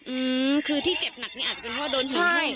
อืมคือที่เจ็บหนักเนี่ยอาจจะเป็นว่าโดนหินหุ้ม